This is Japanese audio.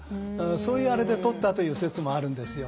そういうあれでとったという説もあるんですよ。